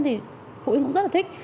thì phụ huynh cũng rất là thích